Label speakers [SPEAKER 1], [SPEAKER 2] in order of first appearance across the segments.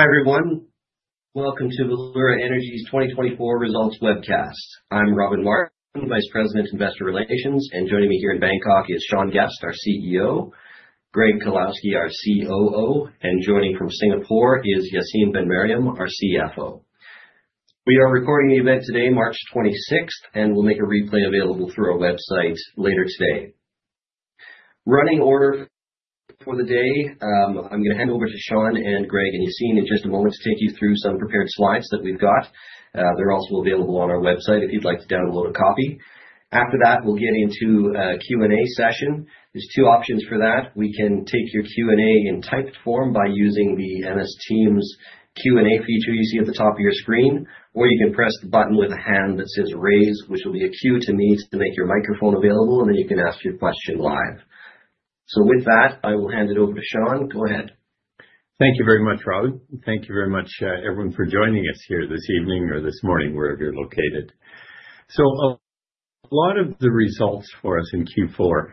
[SPEAKER 1] Hi, everyone. Welcome to Valeura Energy's 2024 Results Webcast. I'm Robin Martin, Vice President, Investor Relations, and joining me here in Bangkok is Sean Guest, our CEO; Greg Kowalski, our COO; and joining from Singapore is Yacine Ben-Meriem, our CFO. We are recording the event today, March 26, and we'll make a replay available through our website later today. Running order for the day, I'm going to hand over to Sean and Greg and Yacine in just a moment to take you through some prepared slides that we've got. They're also available on our website if you'd like to download a copy. After that, we'll get into a Q&A session. There's two options for that. We can take your Q&A in typed form by using the MS Teams Q&A feature you see at the top of your screen, or you can press the button with a hand that says "Raise," which will be a cue to me to make your microphone available, and then you can ask your question live. With that, I will hand it over to Sean. Go ahead.
[SPEAKER 2] Thank you very much, Robin. Thank you very much, everyone, for joining us here this evening or this morning, wherever you're located. A lot of the results for us in Q4,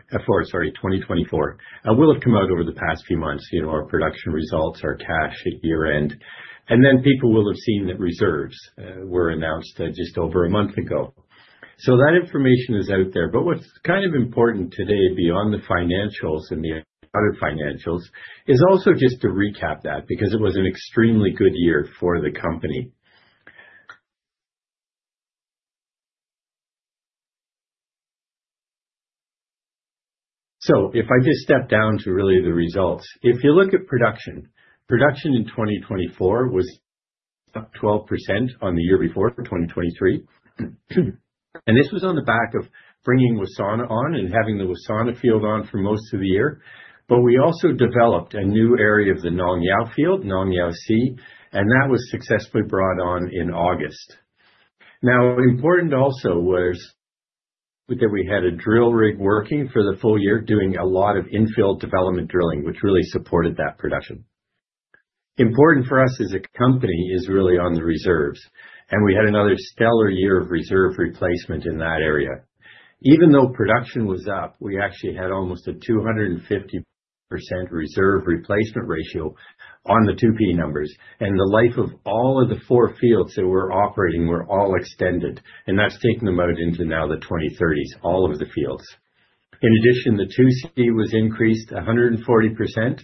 [SPEAKER 2] sorry, 2024, will have come out over the past few months, you know, our production results, our cash at year-end, and then people will have seen that reserves were announced just over a month ago. That information is out there. What's kind of important today, beyond the financials and the other financials, is also just to recap that because it was an extremely good year for the company. If I just step down to really the results, if you look at production, production in 2024 was up 12% on the year before, 2023. This was on the back of bringing Wassana on and having the Wassana field on for most of the year. We also developed a new area of the Nong Yao field, Nong Yao C, and that was successfully brought on in August. Now, important also was that we had a drill rig working for the full year, doing a lot of infill development drilling, which really supported that production. Important for us as a company is really on the reserves, and we had another stellar year of reserve replacement in that area. Even though production was up, we actually had almost a 250% reserve replacement ratio on the 2P numbers, and the life of all of the four fields that we are operating were all extended, and that has taken them out into now the 2030s, all of the fields. In addition, the 2C was increased 140%,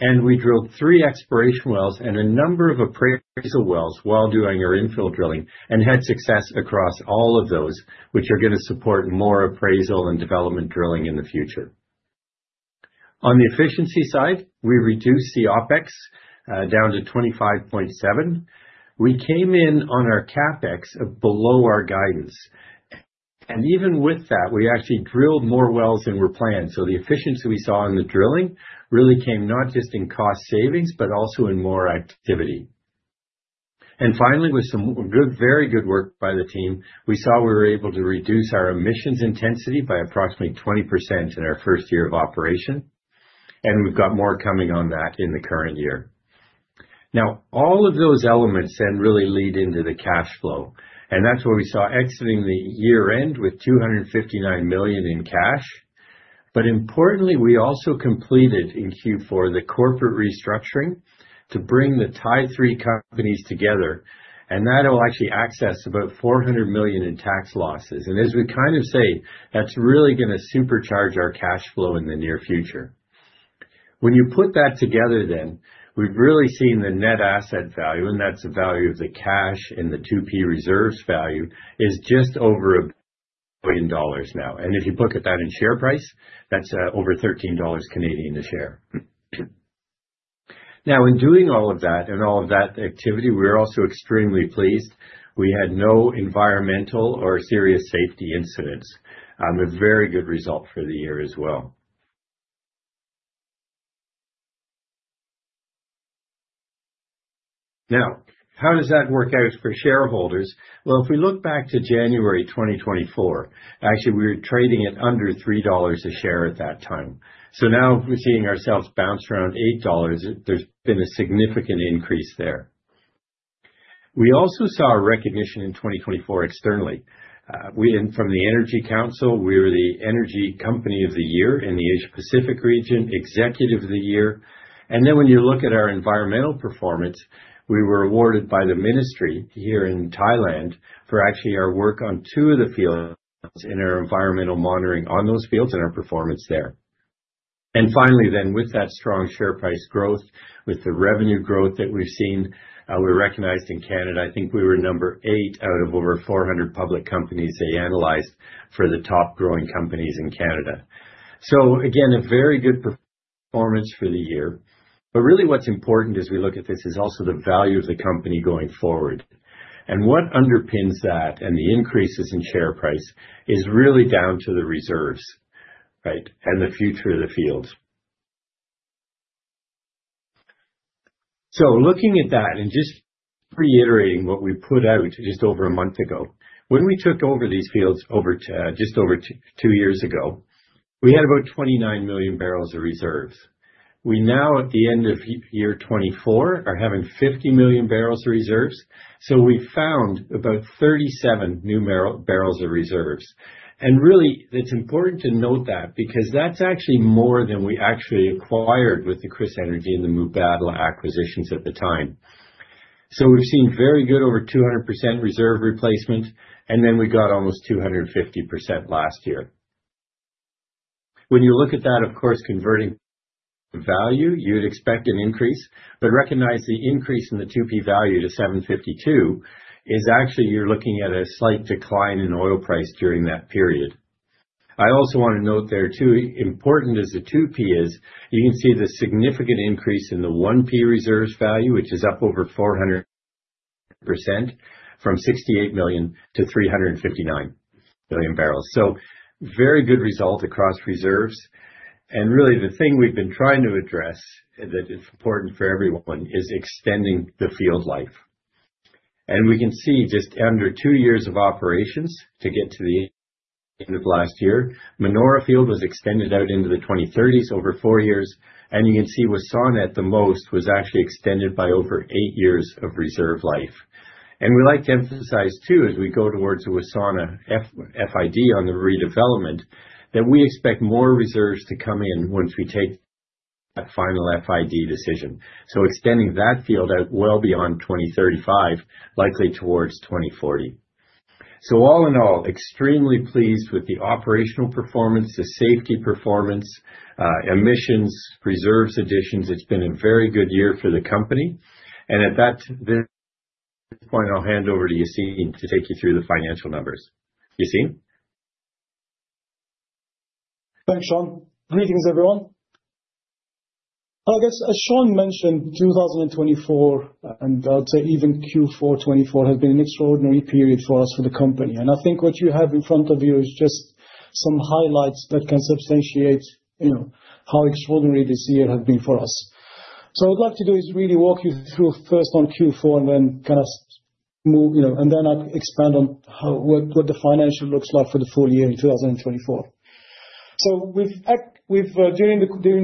[SPEAKER 2] and we drilled three exploration wells and a number of appraisal wells while doing our infill drilling and had success across all of those, which are going to support more appraisal and development drilling in the future. On the efficiency side, we reduced the OPEX down to $25.7. We came in on our CAPEX below our guidance, and even with that, we actually drilled more wells than we were planned. The efficiency we saw in the drilling really came not just in cost savings, but also in more activity. Finally, with some very good work by the team, we saw we were able to reduce our emissions intensity by approximately 20% in our first year of operation, and we've got more coming on that in the current year. Now, all of those elements then really lead into the cash flow, and that's where we saw exiting the year-end with $259 million in cash. Importantly, we also completed in Q4 the corporate restructuring to bring the Thai III companies together, and that will actually access about $400 million in tax losses. As we kind of say, that's really going to supercharge our cash flow in the near future. When you put that together, then we've really seen the net asset value, and that's the value of the cash and the 2P reserves value, is just over $1 billion now. If you look at that in share price, that's over 13 Canadian dollars a share. In doing all of that and all of that activity, we're also extremely pleased. We had no environmental or serious safety incidents. A very good result for the year as well. Now, how does that work out for shareholders? If we look back to January 2024, actually, we were trading at under $3 a share at that time. Now we're seeing ourselves bounce around $8. There's been a significant increase there. We also saw recognition in 2024 externally. From the Energy Council, we were the Energy Company of the Year in the Asia-Pacific region, Executive of the Year. When you look at our environmental performance, we were awarded by the Ministry here in Thailand for actually our work on two of the fields in our environmental monitoring on those fields and our performance there. Finally, with that strong share price growth, with the revenue growth that we've seen, we're recognized in Canada. I think we were number eight out of over 400 public companies they analyzed for the top growing companies in Canada. Again, a very good performance for the year. What is really important as we look at this is also the value of the company going forward. What underpins that and the increases in share price is really down to the reserves, right, and the future of the fields. Looking at that and just reiterating what we put out just over a month ago, when we took over these fields just over two years ago, we had about 29 million barrels of reserves. We now, at the end of year 2024, are having 50 million barrels of reserves. We found about 37 new barrels of reserves. It is important to note that because that is actually more than we actually acquired with the Kris Energy and the Mubadala acquisitions at the time. We have seen very good over 200% reserve replacement, and then we got almost 250% last year. When you look at that, of course, converting value, you would expect an increase, but recognize the increase in the 2P value to $752 million is actually you are looking at a slight decline in oil price during that period. I also want to note there too, important as the 2P is, you can see the significant increase in the 1P reserves value, which is up over 400% from $68 million to $359 million. Very good result across reserves. Really, the thing we have been trying to address that is important for everyone is extending the field life. We can see just under two years of operations to get to the end of last year, Manora field was extended out into the 2030s over four years. You can see Wassana at the most was actually extended by over eight years of reserve life. We like to emphasize too, as we go towards the Wassana FID on the redevelopment, that we expect more reserves to come in once we take that final FID decision. Extending that field out well beyond 2035, likely towards 2040. All in all, extremely pleased with the operational performance, the safety performance, emissions, reserves additions. It's been a very good year for the company. At that point, I'll hand over to Yacine to take you through the financial numbers. Yacine?
[SPEAKER 3] Thanks, Sean. Greetings, everyone. I guess, as Sean mentioned, 2024, and I'd say even Q4 2024 has been an extraordinary period for us for the company. I think what you have in front of you is just some highlights that can substantiate how extraordinary this year has been for us. What I'd like to do is really walk you through first on Q4 and then kind of move, and then I'll expand on what the financial looks like for the full year in 2024. During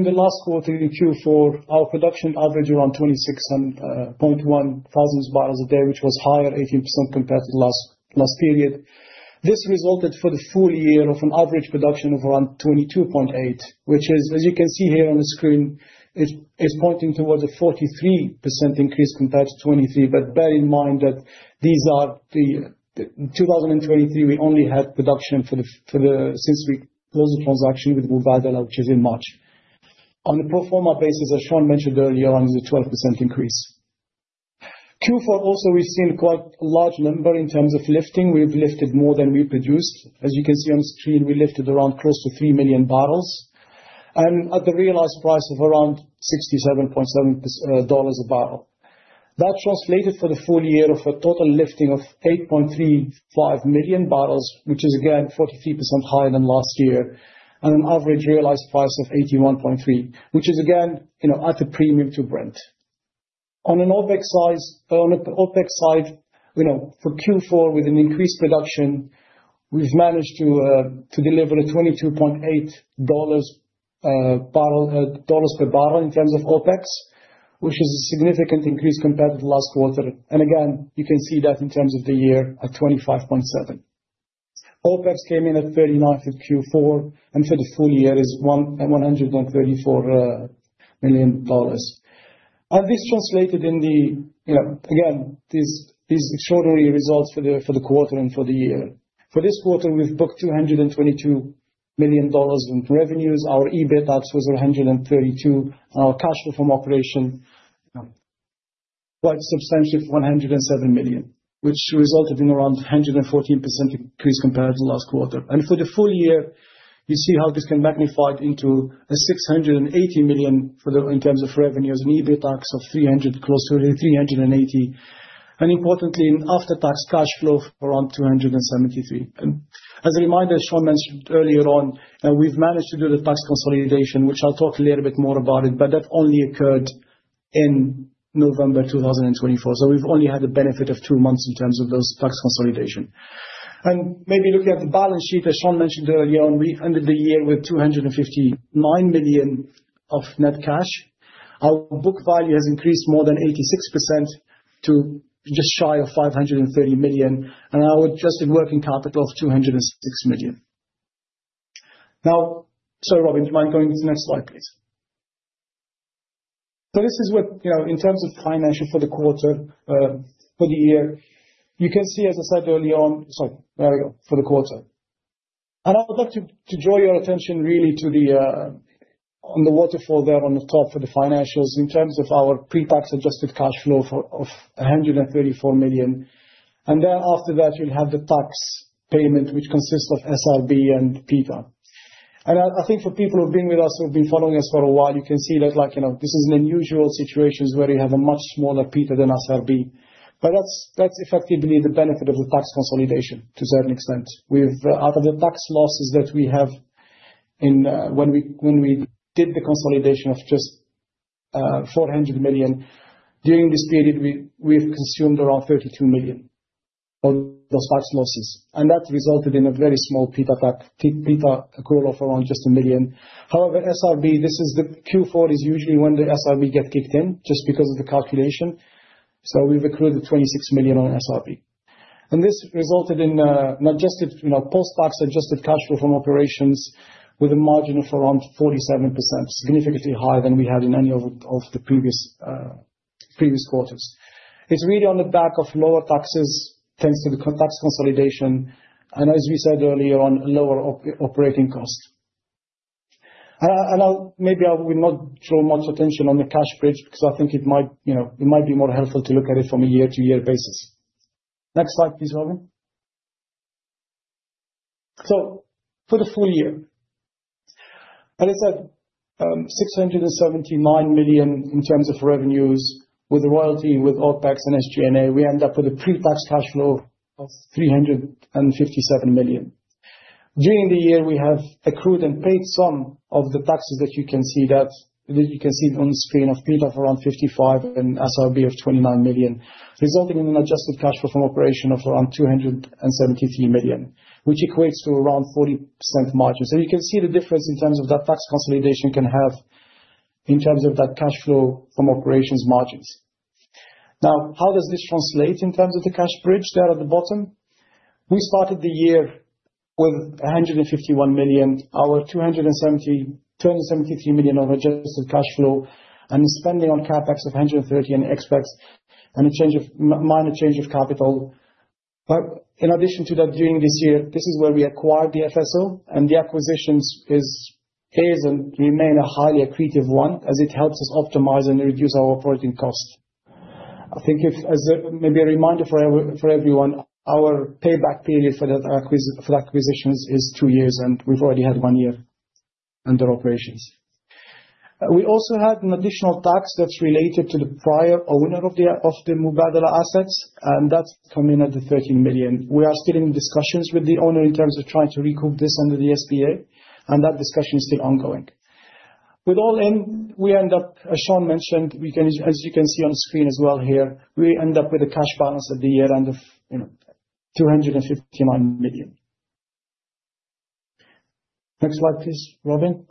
[SPEAKER 3] the last quarter in Q4, our production averaged around 26.1 thousand barrels a day, which was higher, 18% compared to the last period. This resulted for the full year of an average production of around 22.8, which is, as you can see here on the screen, is pointing towards a 43% increase compared to 2023. Bear in mind that these are the 2023, we only had production since we closed the transaction with Mubadala, which is in March. On a pro forma basis, as Sean mentioned earlier, around a 12% increase. Q4 also, we've seen quite a large number in terms of lifting. We've lifted more than we produced. As you can see on screen, we lifted around close to 3 million barrels at the realized price of around $67.7 a barrel. That translated for the full year of a total lifting of 8.35 million barrels, which is again 43% higher than last year, and an average realized price of 81.3, which is again at a premium to Brent. On an OPEX side, for Q4, with an increased production, we've managed to deliver a $22.8 per barrel in terms of OPEX, which is a significant increase compared to the last quarter. You can see that in terms of the year at 25.7. OPEX came in at 39 for Q4, and for the full year is $134 million. This translated in these extraordinary results for the quarter and for the year. For this quarter, we've booked $222 million in revenues. Our EBITDA was 132, and our cash flow from operation quite substantial, 107 million, which resulted in around 114% increase compared to last quarter. For the full year, you see how this can be magnified into a 680 million in terms of revenues, an EBITDAX of close to 380, and importantly, an after-tax cash flow of around 273. As a reminder, as Sean mentioned earlier on, we've managed to do the tax consolidation, which I'll talk a little bit more about, but that only occurred in November 2024. We've only had the benefit of two months in terms of those tax consolidation. Maybe looking at the balance sheet, as Sean mentioned earlier on, we ended the year with $259 million of net cash. Our book value has increased more than 86% to just shy of $530 million, and our adjusted working capital of $206 million. Now, sorry, Robin, do you mind going to the next slide, please? This is what, in terms of financial for the quarter, for the year, you can see, as I said earlier on, sorry, there we go, for the quarter. I would like to draw your attention really to the waterfall there on the top for the financials in terms of our pre-tax adjusted cash flow of $134 million. After that, you'll have the tax payment, which consists of SRB and PITA. I think for people who've been with us, who've been following us for a while, you can see that this is an unusual situation where you have a much smaller PETA than SRB. That's effectively the benefit of the tax consolidation to a certain extent. Out of the tax losses that we have when we did the consolidation of just $400 million, during this period, we've consumed around $32 million of those tax losses. That resulted in a very small PETA accrual of around just $1 million. However, SRB, this is the Q4 is usually when the SRB gets kicked in just because of the calculation. We've accrued $26 million on SRB. This resulted in an adjusted post-tax adjusted cash flow from operations with a margin of around 47%, significantly higher than we had in any of the previous quarters. It's really on the back of lower taxes, thanks to the tax consolidation, and as we said earlier, on lower operating costs. Maybe I will not draw much attention on the cash bridge because I think it might be more helpful to look at it from a year-to-year basis. Next slide, please, Robin. For the full year, as I said, $679 million in terms of revenues with the royalty, with OPEX and SG&A, we end up with a pre-tax cash flow of $357 million. During the year, we have accrued and paid some of the taxes that you can see on the screen of PETA of around $55 million and SRB of $29 million, resulting in an adjusted cash flow from operation of around $273 million, which equates to around 40% margin. You can see the difference in terms of what that tax consolidation can have in terms of that cash flow from operations margins. Now, how does this translate in terms of the cash bridge there at the bottom? We started the year with $151 million, our $273 million of adjusted cash flow, and spending on CAPEX of $130 million and ExpEx, and a minor change of capital. In addition to that, during this year, this is where we acquired the FSO, and the acquisition is and remains a highly accretive one as it helps us optimize and reduce our operating cost. I think maybe a reminder for everyone, our payback period for the acquisitions is two years, and we've already had one year under operations. We also had an additional tax that's related to the prior owner of the Mubadala assets, and that's coming at the $13 million. We are still in discussions with the owner in terms of trying to recoup this under the SPA, and that discussion is still ongoing. With all in, we end up, as Sean mentioned, as you can see on screen as well here, we end up with a cash balance at the year end of $259 million. Next slide, please, Robin.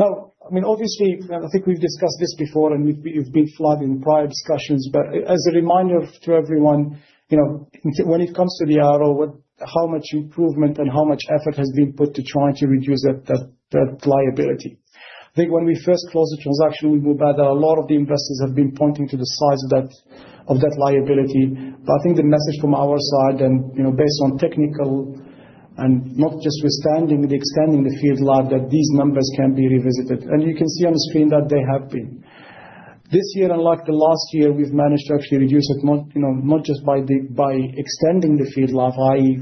[SPEAKER 3] Now, I mean, obviously, I think we've discussed this before and we've been flooded in prior discussions, but as a reminder to everyone, when it comes to the IRO, how much improvement and how much effort has been put to try to reduce that liability. I think when we first closed the transaction with Mubadala, a lot of the investors have been pointing to the size of that liability. I think the message from our side, and based on technical and not just withstanding the extending the field life, that these numbers can be revisited. You can see on the screen that they have been. This year, unlike last year, we've managed to actually reduce it not just by extending the field life, i.e.,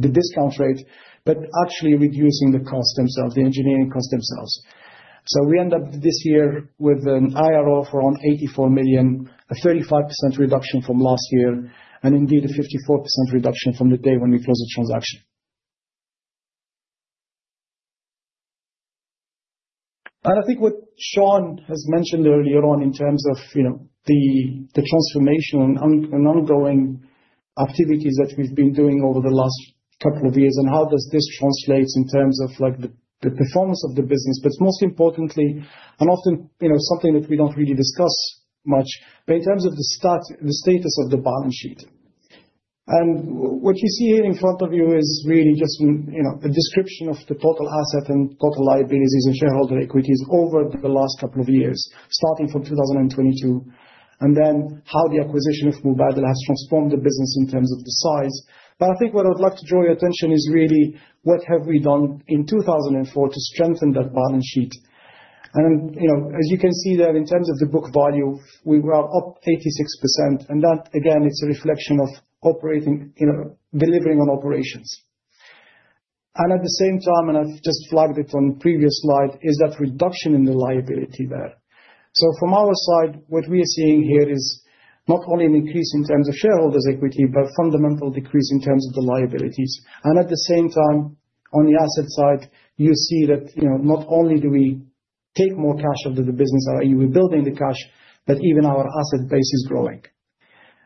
[SPEAKER 3] the discount rate, but actually reducing the costs themselves, the engineering costs themselves. We end up this year with an IRO for around $84 million, a 35% reduction from last year, and indeed a 54% reduction from the day when we closed the transaction. I think what Sean has mentioned earlier on in terms of the transformation and ongoing activities that we've been doing over the last couple of years, and how this translates in terms of the performance of the business, but most importantly, and often something that we don't really discuss much, in terms of the status of the balance sheet. What you see here in front of you is really just a description of the total asset and total liabilities and shareholder equities over the last couple of years, starting from 2022, and then how the acquisition of Mubadala has transformed the business in terms of the size. I think what I would like to draw your attention to is really what we have done in 2024 to strengthen that balance sheet. As you can see there, in terms of the book value, we were up 86%, and that, again, is a reflection of delivering on operations. At the same time, and I have just flagged it on the previous slide, is that reduction in the liability there. From our side, what we are seeing here is not only an increase in terms of shareholders' equity, but a fundamental decrease in terms of the liabilities. At the same time, on the asset side, you see that not only do we take more cash out of the business, i.e., we are building the cash, but even our asset base is growing.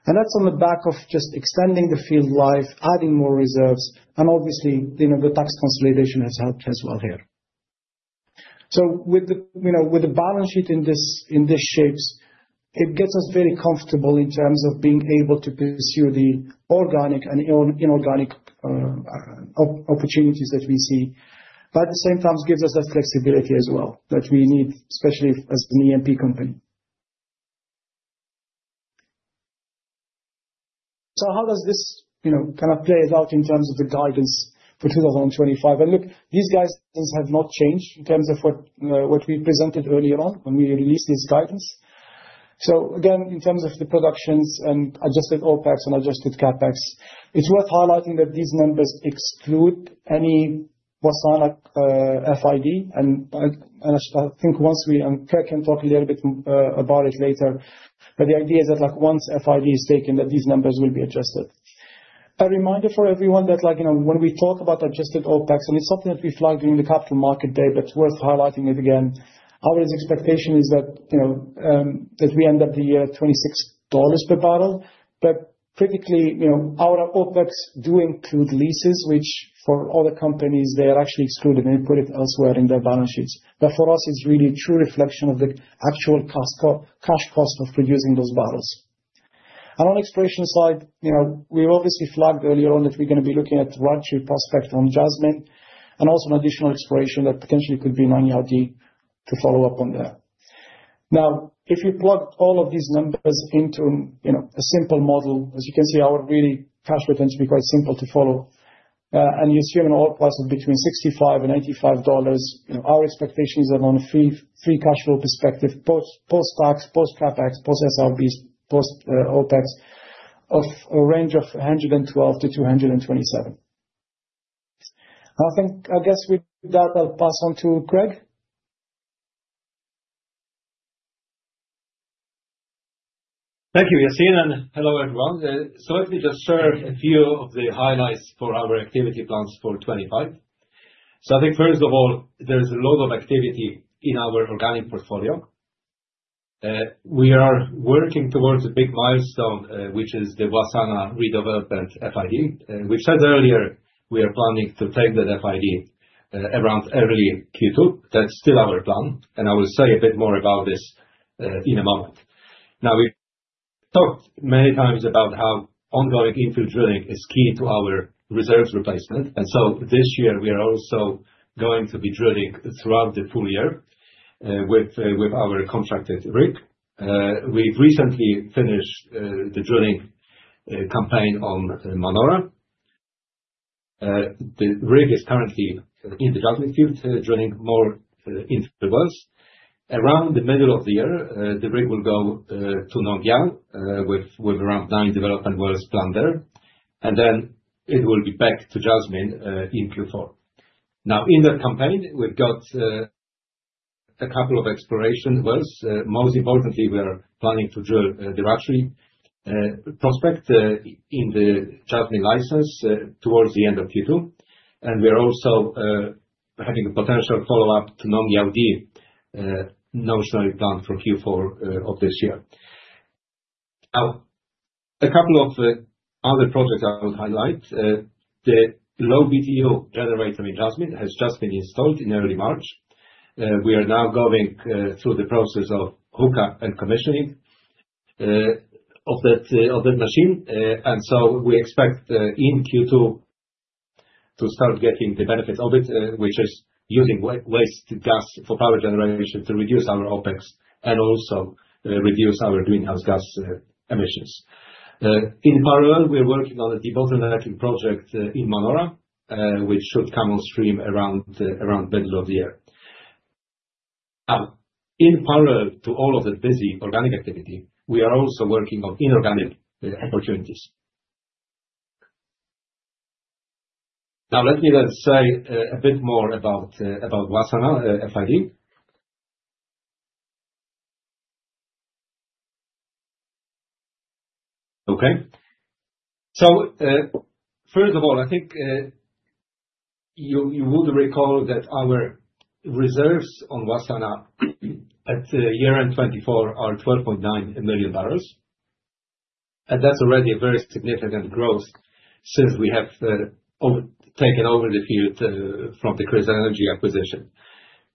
[SPEAKER 3] That is on the back of just extending the field life, adding more reserves, and obviously, the tax consolidation has helped as well here. With the balance sheet in this shape, it gets us very comfortable in terms of being able to pursue the organic and inorganic opportunities that we see. At the same time, it gives us that flexibility as well that we need, especially as an E&P company. How does this kind of play out in terms of the guidance for 2025? These guidance have not changed in terms of what we presented earlier on when we released this guidance. Again, in terms of the productions and adjusted OPEX and adjusted CAPEX, it's worth highlighting that these numbers exclude any Wassana FID. I think we can talk a little bit about it later, but the idea is that once FID is taken, these numbers will be adjusted. A reminder for everyone that when we talk about adjusted OPEX, and it's something that we flagged during the capital market day, but worth highlighting it again, our expectation is that we end up at the year at $26 per barrel. Critically, our OPEX do include leases, which for other companies, they are actually excluded and put it elsewhere in their balance sheets. For us, it's really a true reflection of the actual cash cost of producing those barrels. On the exploration side, we've obviously flagged earlier on that we're going to be looking at Ratri prospect on Jasmine and also an additional exploration that potentially could be 90 to follow up on there. Now, if you plug all of these numbers into a simple model, as you can see, our really cash returns will be quite simple to follow. You assume an OPEX of between $65 and $85, our expectation is that on a free cash flow perspective, post-tax, post-CAPEX, post-SRBs, post-OPEX, of a range of 112 to 227. I guess with that, I'll pass on to Greg.
[SPEAKER 4] Thank you, Yacine. Hello, everyone. Let me just share a few of the highlights for our activity plans for 2025. I think first of all, there is a lot of activity in our organic portfolio. We are working towards a big milestone, which is the Wassana redevelopment FID. We said earlier we are planning to take that FID around early Q2. That is still our plan. I will say a bit more about this in a moment. We have talked many times about how ongoing infill drilling is key to our reserves replacement. This year, we are also going to be drilling throughout the full year with our contracted rig. We have recently finished the drilling campaign on Manora. The rig is currently in the Jasmine field, drilling more infill wells. Around the middle of the year, the rig will go to Nong Yao with around nine development wells planned there. It will be back to Jasmine in Q4. In that campaign, we've got a couple of exploration wells. Most importantly, we are planning to drill the Ratri prospect in the Jasmine license towards the end of Q2. We are also having a potential follow-up to Nong Yao D notionally planned for Q4 of this year. A couple of other projects I would highlight. The low BTU generator in Jasmine has just been installed in early March. We are now going through the process of hookup and commissioning of that machine. We expect in Q2 to start getting the benefits of it, which is using waste gas for power generation to reduce our OPEX and also reduce our greenhouse gas emissions. In parallel, we're working on a debottlenecking project in Manora, which should come on stream around the middle of the year. Now, in parallel to all of that busy organic activity, we are also working on inorganic opportunities. Now, let me then say a bit more about Wassana FID. Okay. First of all, I think you would recall that our reserves on Wassana at year-end 2024 are 12.9 million. And that's already a very significant growth since we have taken over the field from the Kris Energy acquisition.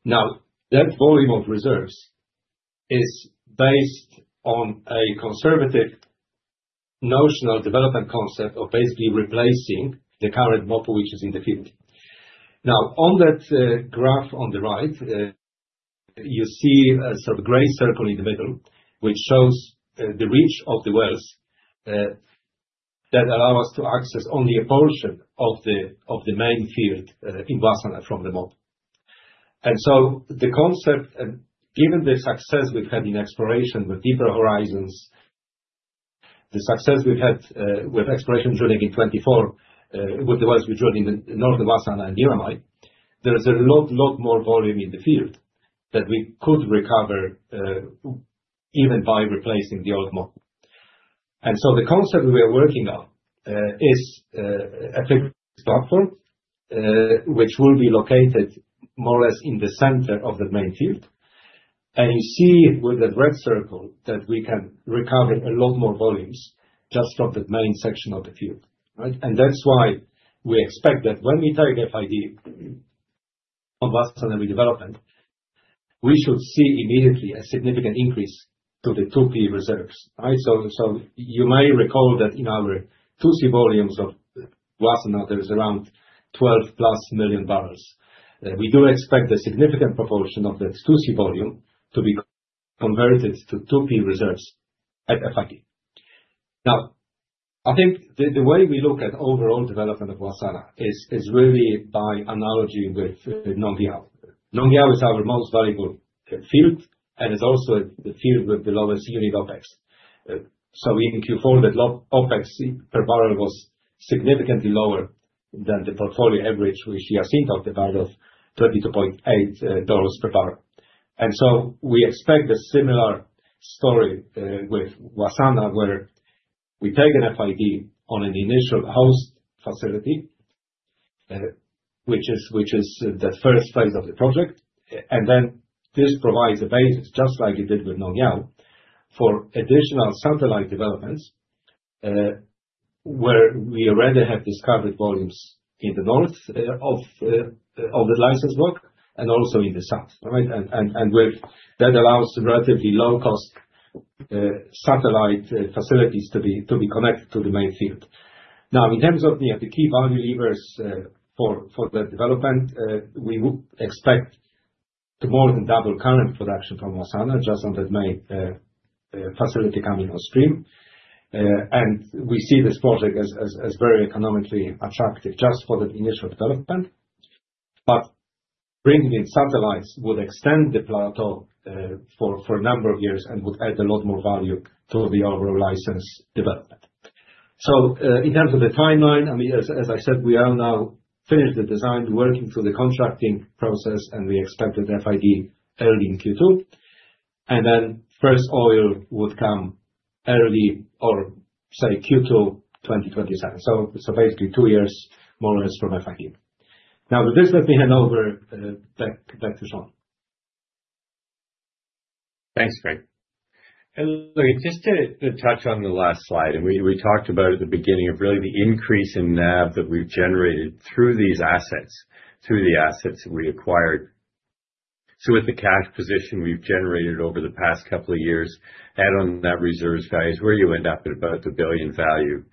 [SPEAKER 4] Now, that volume of reserves is based on a conservative notional development concept of basically replacing the current MOPU, which is in the field. Now, on that graph on the right, you see a sort of gray circle in the middle, which shows the reach of the wells that allow us to access only a portion of the main field in Wassana from the MOPU. The concept, given the success we've had in exploration with Deeper Horizons, the success we've had with exploration drilling in 2024 with the wells we drilled in northern Wassana and Niramai, there is a lot, lot more volume in the field that we could recover even by replacing the old MOPU. The concept we are working on is a fixed platform, which will be located more or less in the center of the main field. You see with that red circle that we can recover a lot more volumes just from the main section of the field. That is why we expect that when we take FID on Wassana redevelopment, we should see immediately a significant increase to the 2P reserves. You may recall that in our 2C volumes of Wassana, there is around 12 plus million barrels. We do expect a significant proportion of that 2C volume to be converted to 2P reserves at FID. I think the way we look at overall development of Wassana is really by analogy with Nong Yao. Nong Yao is our most valuable field, and it is also the field with the lowest unit OPEX. In Q4, that OPEX per barrel was significantly lower than the portfolio average, which Yacine talked about of $22.8 per barrel. We expect a similar story with Wassana, where we take an FID on an initial host facility, which is the first phase of the project. This provides a basis, just like it did with Nong Yao, for additional satellite developments where we already have discovered volumes in the north of the license block and also in the south. That allows relatively low-cost satellite facilities to be connected to the main field. In terms of the key value levers for that development, we expect to more than double current production from Wassana just on that main facility coming on stream. We see this project as very economically attractive just for that initial development. Bringing in satellites would extend the plateau for a number of years and would add a lot more value to the overall license development. In terms of the timeline, I mean, as I said, we are now finished the design, working through the contracting process, and we expect that FID early in Q2. First oil would come early or say Q2 2027. Basically two years more or less from FID. Now, with this, let me hand over back to Sean.
[SPEAKER 2] Thanks, Greg. Just to touch on the last slide, and we talked about at the beginning of really the increase in NAV that we've generated through these assets, through the assets that we acquired. With the cash position we've generated over the past couple of years, add on that reserves values where you end up at about the billion value.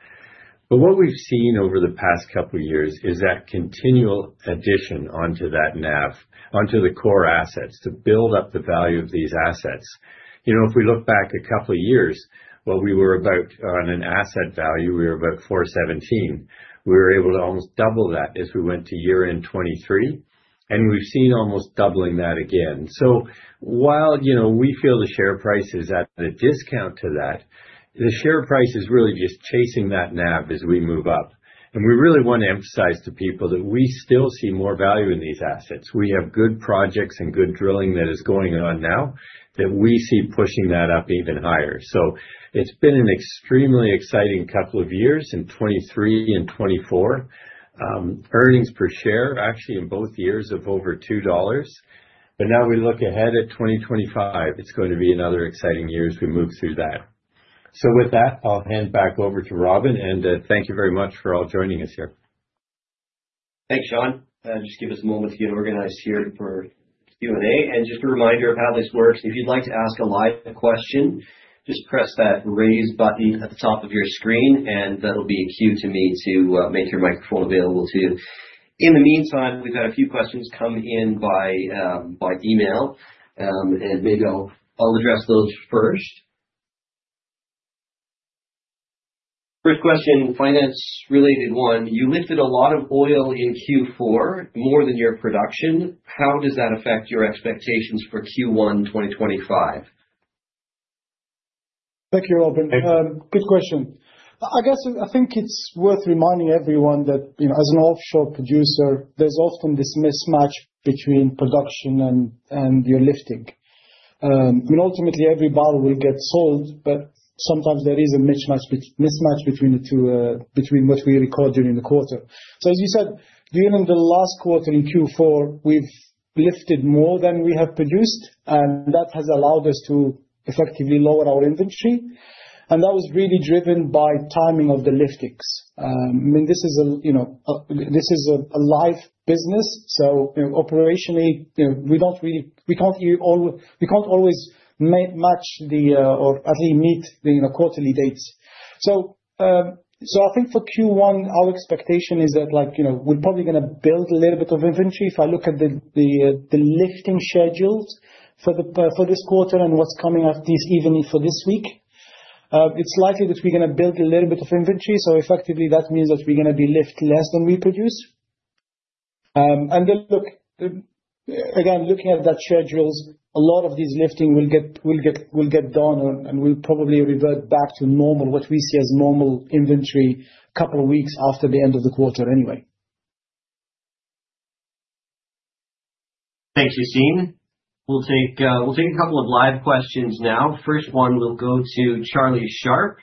[SPEAKER 2] What we've seen over the past couple of years is that continual addition onto that NAV, onto the core assets to build up the value of these assets. If we look back a couple of years, what we were about on an asset value, we were about $417 million. We were able to almost double that as we went to year-end 2023. We've seen almost doubling that again. While we feel the share price is at a discount to that, the share price is really just chasing that NAV as we move up. We really want to emphasize to people that we still see more value in these assets. We have good projects and good drilling that is going on now that we see pushing that up even higher. It has been an extremely exciting couple of years in 2023 and 2024. Earnings per share, actually, in both years of over $2. Now we look ahead at 2025, it is going to be another exciting year as we move through that. With that, I will hand back over to Robin. Thank you very much for all joining us here.
[SPEAKER 1] Thanks, Sean. Just give us a moment to get organized here for Q&A. Just a reminder of how this works. If you'd like to ask a live question, just press that raise button at the top of your screen, and that'll be a cue to me to make your microphone available to you. In the meantime, we've had a few questions come in by email, and maybe I'll address those first. First question, finance-related one. You lifted a lot of oil in Q4, more than your production. How does that affect your expectations for Q1 2025?
[SPEAKER 3] Thank you, Robin. Good question. I guess I think it's worth reminding everyone that as an offshore producer, there's often this mismatch between production and your lifting. I mean, ultimately, every barrel will get sold, but sometimes there is a mismatch between the two between what we record during the quarter. As you said, during the last quarter in Q4, we've lifted more than we have produced, and that has allowed us to effectively lower our inventory. That was really driven by timing of the liftings. I mean, this is a live business. Operationally, we can't always match the or at least meet the quarterly dates. I think for Q1, our expectation is that we're probably going to build a little bit of inventory. If I look at the lifting schedules for this quarter and what's coming up this evening for this week, it's likely that we're going to build a little bit of inventory. Effectively, that means that we're going to be lifting less than we produce. Again, looking at that schedules, a lot of these liftings will get done and will probably revert back to normal, what we see as normal inventory a couple of weeks after the end of the quarter anyway.
[SPEAKER 1] Thanks, Yacine. We'll take a couple of live questions now. First one, we'll go to Charlie Sharp.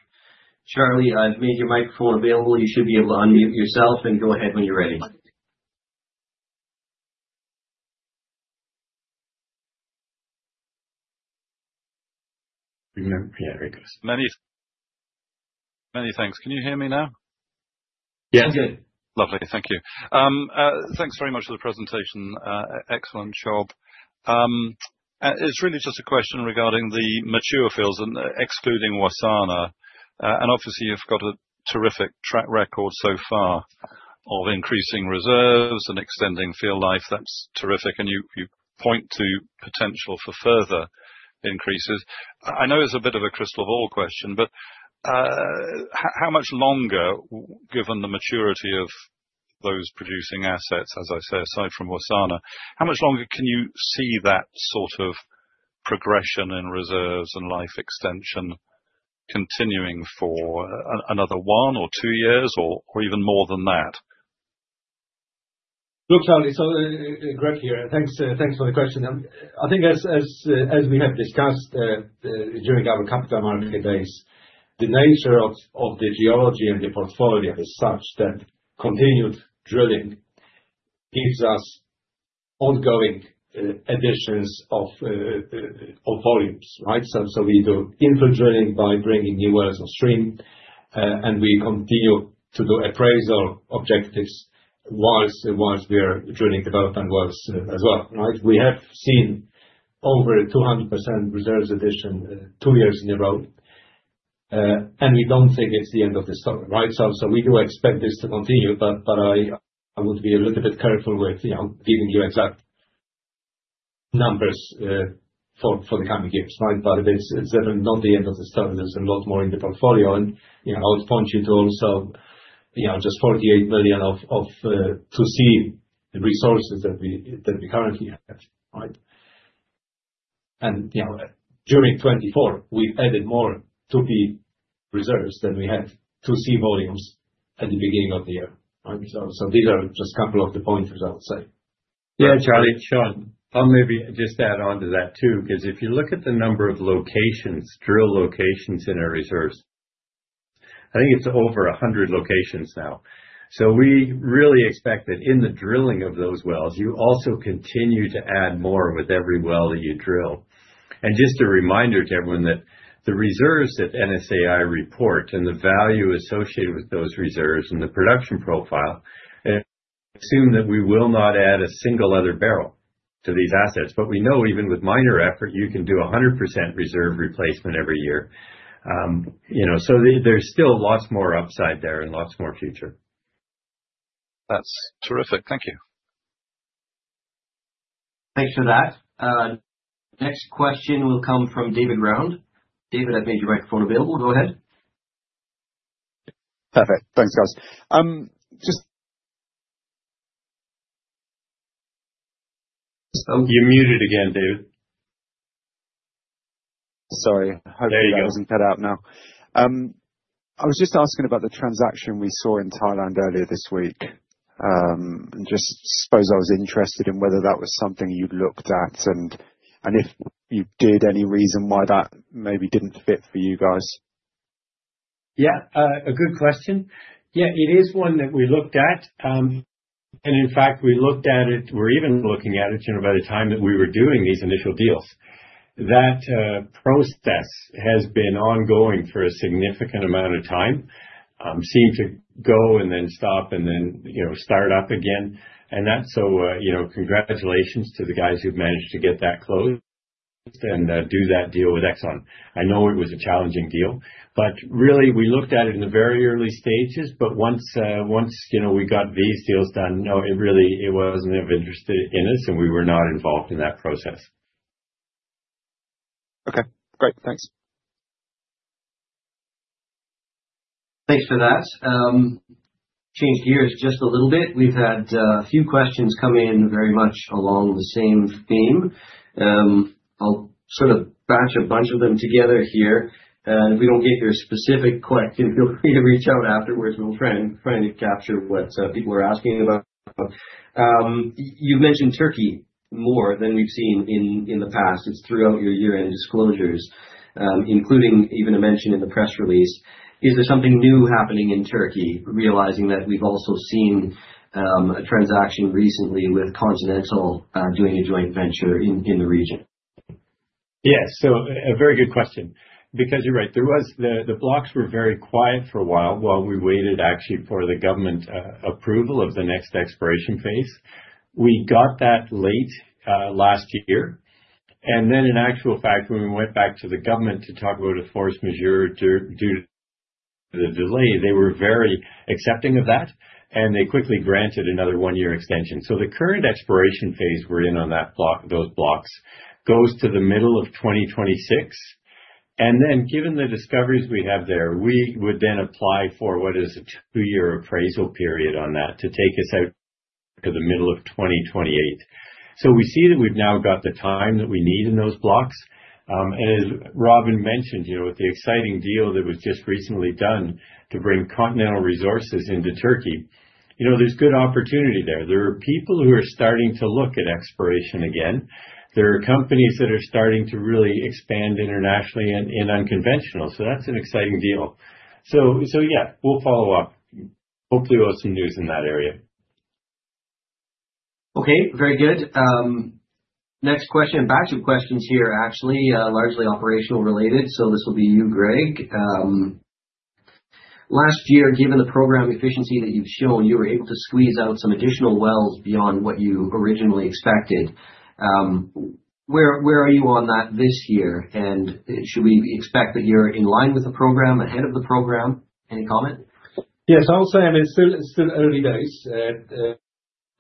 [SPEAKER 1] Charlie, I've made your microphone available. You should be able to unmute yourself and go ahead when you're ready.
[SPEAKER 5] Yeah, there he goes. Mani, Mani, thanks. Can you hear me now? Yes. I'm good. Lovely. Thank you. Thanks very much for the presentation. Excellent job. It's really just a question regarding the mature fields and excluding Wassana. Obviously, you've got a terrific track record so far of increasing reserves and extending field life. That's terrific. You point to potential for further increases. I know it's a bit of a crystal ball question, but how much longer, given the maturity of those producing assets, as I say, aside from Wassana, how much longer can you see that sort of progression in reserves and life extension continuing for another one or two years or even more than that?
[SPEAKER 4] Look, Charlie, so great here. Thanks for the question. I think as we have discussed during our capital market days, the nature of the geology and the portfolio is such that continued drilling gives us ongoing additions of volumes. We do infill drilling by bringing new wells on stream, and we continue to do appraisal objectives whilst we are drilling development wells as well. We have seen over 200% reserves addition two years in a row, and we do not think it is the end of the story. We do expect this to continue, but I would be a little bit careful with giving you exact numbers for the coming years. It is definitely not the end of the story. There is a lot more in the portfolio. I would point you to also just 48 million of 2C resources that we currently have. During 2024, we've added more 2P reserves than we had 2C volumes at the beginning of the year. These are just a couple of the pointers, I would say.
[SPEAKER 2] Yeah, Charlie, Sean, I'll maybe just add on to that too, because if you look at the number of locations, drill locations in our reserves, I think it's over 100 locations now. We really expect that in the drilling of those wells, you also continue to add more with every well that you drill. Just a reminder to everyone that the reserves that NSAI report and the value associated with those reserves and the production profile assume that we will not add a single other barrel to these assets. We know even with minor effort, you can do 100% reserve replacement every year. There is still lots more upside there and lots more future. That's terrific. Thank you.
[SPEAKER 1] Thanks for that. Next question will come from David Round. David, I've made your microphone available. Go ahead. Perfect. Thanks, guys. Just.
[SPEAKER 3] You're muted again, David. Sorry. Hopefully, it wasn't cut out now. I was just asking about the transaction we saw in Thailand earlier this week. I just suppose I was interested in whether that was something you'd looked at and if you did, any reason why that maybe didn't fit for you guys. Yeah, a good question. Yeah, it is one that we looked at. In fact, we looked at it. We're even looking at it by the time that we were doing these initial deals. That process has been ongoing for a significant amount of time, seemed to go and then stop and then start up again. Congratulations to the guys who've managed to get that closed and do that deal with Exxon. I know it was a challenging deal, but really we looked at it in the very early stages. Once we got these deals done, no, it really wasn't of interest in us, and we were not involved in that process. Okay. Great. Thanks.
[SPEAKER 1] Thanks for that. Changed gears just a little bit. We've had a few questions come in very much along the same theme. I'll sort of batch a bunch of them together here. If we don't get your specific question, feel free to reach out afterwards. We'll try and capture what people are asking about. You've mentioned Turkey more than we've seen in the past. It's throughout your year-end disclosures, including even a mention in the press release. Is there something new happening in Turkey, realizing that we've also seen a transaction recently with Continental doing a joint venture in the region?
[SPEAKER 2] Yes. A very good question. Because you're right, the blocks were very quiet for a while while we waited actually for the government approval of the next exploration phase. We got that late last year. In actual fact, when we went back to the government to talk about a force majeure due to the delay, they were very accepting of that, and they quickly granted another one-year extension. The current exploration phase we're in on those blocks goes to the middle of 2026. Given the discoveries we have there, we would then apply for what is a two-year appraisal period on that to take us out to the middle of 2028. We see that we've now got the time that we need in those blocks. As Robin mentioned, with the exciting deal that was just recently done to bring Continental Resources into Turkey, there's good opportunity there. There are people who are starting to look at exploration again. There are companies that are starting to really expand internationally and unconventional. That's an exciting deal. Yeah, we'll follow up. Hopefully, we'll have some news in that area.
[SPEAKER 1] Okay. Very good. Next question, batch of questions here, actually, largely operational related. This will be you, Greg. Last year, given the program efficiency that you've shown, you were able to squeeze out some additional wells beyond what you originally expected. Where are you on that this year? Should we expect that you're in line with the program, ahead of the program? Any comment?
[SPEAKER 4] Yes, I would say it's still early days.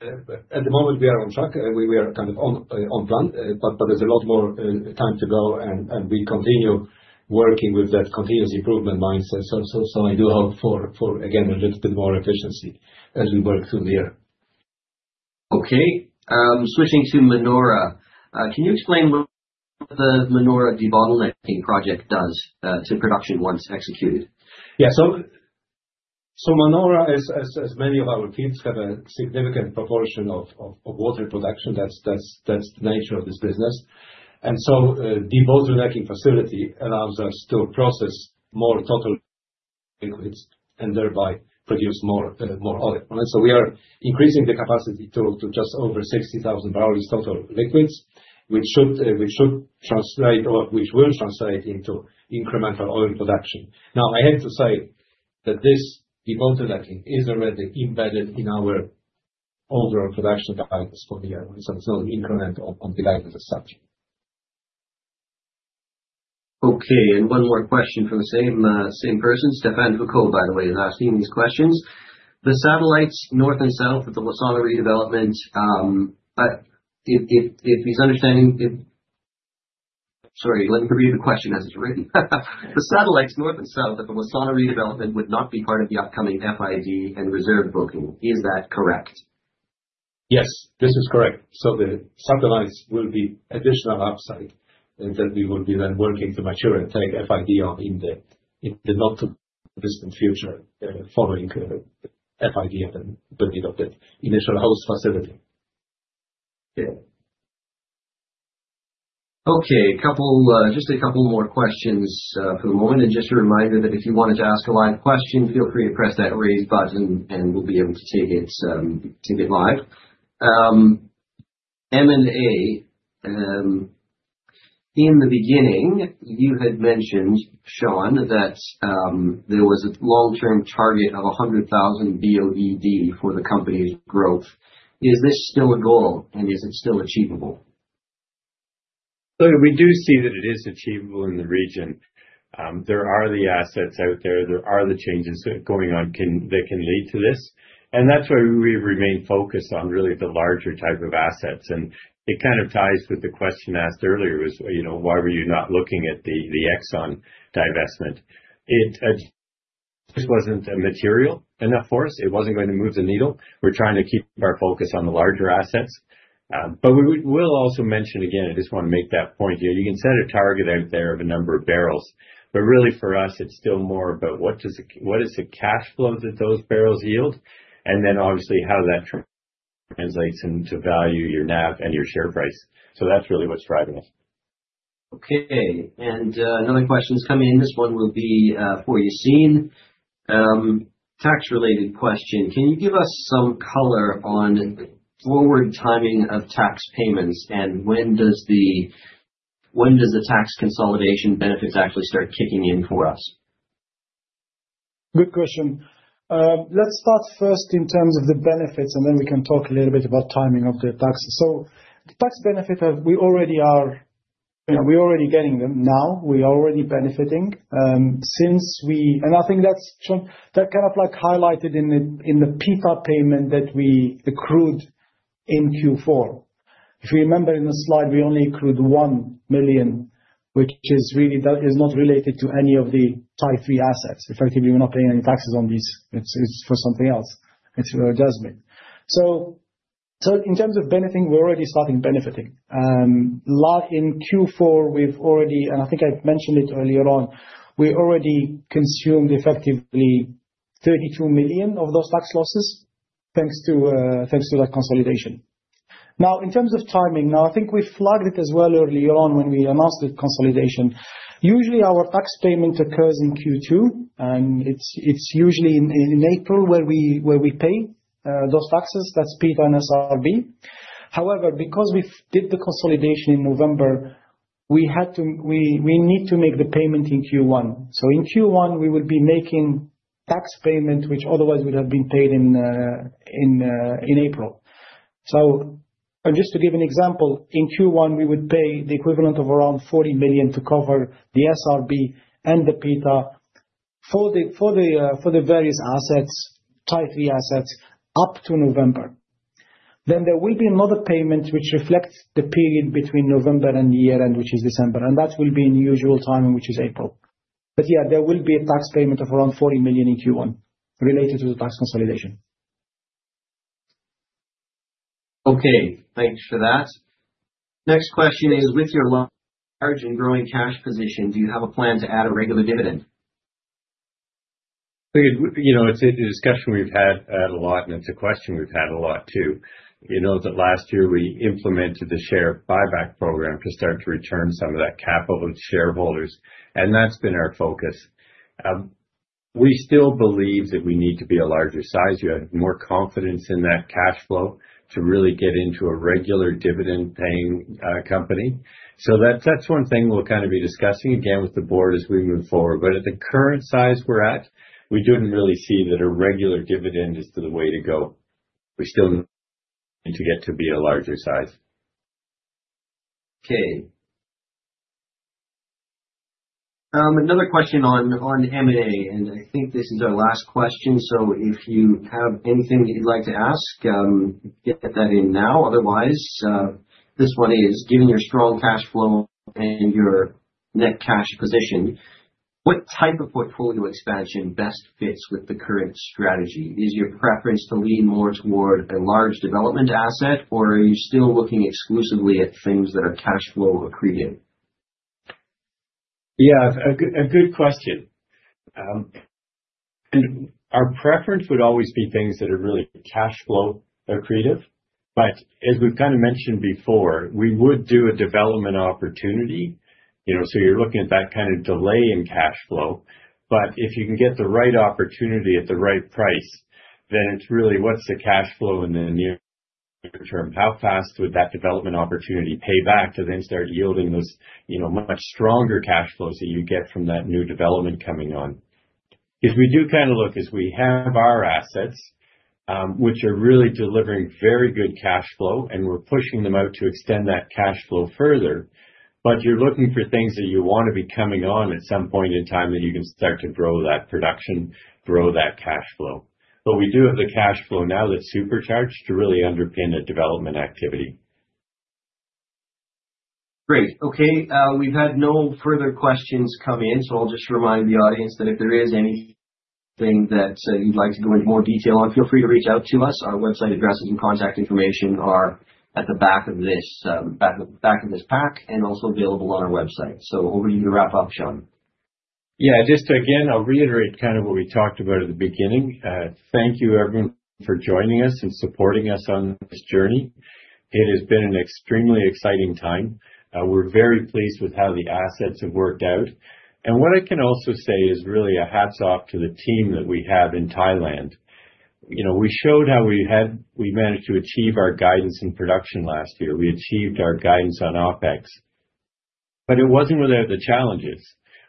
[SPEAKER 4] At the moment, we are on track. We are kind of on plan. There is a lot more time to go, and we continue working with that continuous improvement mindset. I do hope for, again, a little bit more efficiency as we work through the year.
[SPEAKER 1] Okay. Switching to Manora, can you explain what the Manora debottlenecking project does to production once executed?
[SPEAKER 4] Yeah. Manora, as many of our fields, have a significant proportion of water production, that's the nature of this business. The debottlenecking facility allows us to process more total liquids and thereby produce more oil. We are increasing the capacity to just over 60,000 barrels total liquids, which should translate, or which will translate, into incremental oil production. I have to say that this debottlenecking is already embedded in our overall production guidance for the year. It's not incremental on the guidance itself.
[SPEAKER 1] Okay. One more question from the same person, Stephane Foucaud, by the way, is asking these questions. The satellites north and south of the Wassana redevelopment, if he's understanding—sorry, let me read the question as it's written. The satellites north and south of the Wassana redevelopment would not be part of the upcoming FID and reserve booking. Is that correct?
[SPEAKER 2] Yes, this is correct. The satellites will be additional upside that we will be then working to mature and take FID on in the not-too-distant future following FID and the need of that initial house facility.
[SPEAKER 1] Yeah. Okay. Just a couple more questions for the moment. Just a reminder that if you wanted to ask a live question, feel free to press that raise button, and we'll be able to take it live. M&A, in the beginning, you had mentioned, Sean, that there was a long-term target of 100,000 BOED for the company's growth. Is this still a goal, and is it still achievable?
[SPEAKER 2] We do see that it is achievable in the region. There are the assets out there. There are the changes going on that can lead to this. That is why we remain focused on really the larger type of assets. It kind of ties with the question asked earlier, was why were you not looking at the Exxon divestment? It just was not material enough for us. It was not going to move the needle. We are trying to keep our focus on the larger assets. We will also mention, again, I just want to make that point here. You can set a target out there of a number of barrels, but really for us, it is still more about what is the cash flow that those barrels yield, and then obviously how that translates into value, your NAV, and your share price. That is really what is driving it.
[SPEAKER 1] Okay. Another question is coming in. This one will be for Yacine. Tax-related question. Can you give us some color on forward timing of tax payments, and when does the tax consolidation benefits actually start kicking in for us?
[SPEAKER 3] Good question. Let's start first in terms of the benefits, and then we can talk a little bit about timing of the tax. The tax benefit, we already are getting them now. We are already benefiting. I think that's kind of highlighted in the PETA payment that we accrued in Q4. If you remember in the slide, we only accrued $1 million, which is not related to any of the Thai III assets. Effectively, we're not paying any taxes on these. It's for something else. It's for adjustment. In terms of benefiting, we're already starting benefiting. In Q4, we've already—I think I've mentioned it earlier on—we already consumed effectively $32 million of those tax losses thanks to that consolidation. In terms of timing, I think we flagged it as well earlier on when we announced the consolidation. Usually, our tax payment occurs in Q2, and it's usually in April where we pay those taxes. That's PETA and SRB. However, because we did the consolidation in November, we need to make the payment in Q1. In Q1, we will be making tax payment, which otherwise would have been paid in April. Just to give an example, in Q1, we would pay the equivalent of around $40 million to cover the SRB and the PETA for the various assets, Type III assets, up to November. There will be another payment which reflects the period between November and the year-end, which is December. That will be in the usual time, which is April. There will be a tax payment of around $40 million in Q1 related to the tax consolidation.
[SPEAKER 1] Okay. Thanks for that. Next question is, with your large and growing cash position, do you have a plan to add a regular dividend?
[SPEAKER 2] It's a discussion we've had a lot, and it's a question we've had a lot too. You know that last year we implemented the share buyback program to start to return some of that capital to shareholders. That's been our focus. We still believe that we need to be a larger size. We have more confidence in that cash flow to really get into a regular dividend-paying company. That's one thing we'll kind of be discussing again with the board as we move forward. At the current size we're at, we didn't really see that a regular dividend is the way to go. We still need to get to be a larger size.
[SPEAKER 1] Okay. Another question on M&A. I think this is our last question. If you have anything that you'd like to ask, get that in now. Otherwise, this one is, given your strong cash flow and your net cash position, what type of portfolio expansion best fits with the current strategy? Is your preference to lean more toward a large development asset, or are you still looking exclusively at things that are cash flow accretive?
[SPEAKER 2] Yeah, a good question. Our preference would always be things that are really cash flow accretive. As we've kind of mentioned before, we would do a development opportunity. You are looking at that kind of delay in cash flow. If you can get the right opportunity at the right price, then it is really what is the cash flow in the near term? How fast would that development opportunity pay back to then start yielding those much stronger cash flows that you get from that new development coming on? We do kind of look as we have our assets, which are really delivering very good cash flow, and we are pushing them out to extend that cash flow further. You are looking for things that you want to be coming on at some point in time that you can start to grow that production, grow that cash flow. We do have the cash flow now that's supercharged to really underpin a development activity.
[SPEAKER 1] Great. Okay. We've had no further questions come in. I will just remind the audience that if there is anything that you'd like to go into more detail on, feel free to reach out to us. Our website addresses and contact information are at the back of this pack and also available on our website. Over to you to wrap up, Sean.
[SPEAKER 2] Yeah. Just again, I'll reiterate kind of what we talked about at the beginning. Thank you, everyone, for joining us and supporting us on this journey. It has been an extremely exciting time. We're very pleased with how the assets have worked out. What I can also say is really a hats off to the team that we have in Thailand. We showed how we managed to achieve our guidance in production last year. We achieved our guidance on OPEX. It was not without the challenges.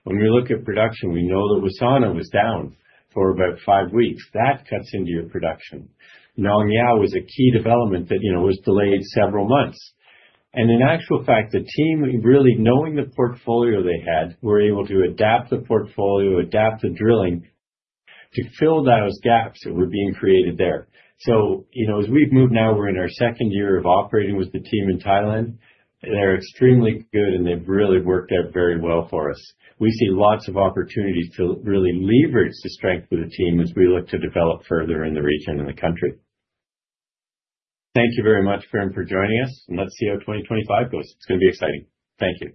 [SPEAKER 2] When we look at production, we know that Wassana was down for about five weeks. That cuts into your production. Nong Yao was a key development that was delayed several months. In actual fact, the team, really knowing the portfolio they had, were able to adapt the portfolio, adapt the drilling to fill those gaps that were being created there. As we've moved now, we're in our second year of operating with the team in Thailand. They're extremely good, and they've really worked out very well for us. We see lots of opportunities to really leverage the strength of the team as we look to develop further in the region and the country. Thank you very much, Graham, for joining us. Let's see how 2025 goes. It's going to be exciting. Thank you.